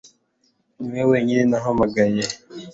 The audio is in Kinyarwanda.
Niwowe wenyine nahamagaye